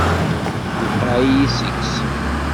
Tewqeɛ-iyi seg-s!